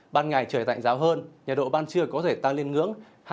ban ngày trời tạnh ráo hơn nhiệt độ ban trưa có thể tăng lên ngưỡng